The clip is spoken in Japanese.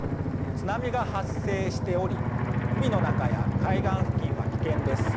津波が発生しており海の中や海岸付近は危険です。